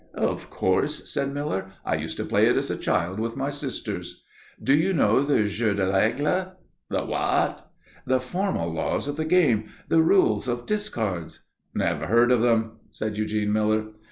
"Of course," said Miller. "I used to play it as a child with my sisters." "Do you know the jeux de règle?" "The what?" "The formal laws of the game the rules of discards " "Never heard of them," said Eugene Miller.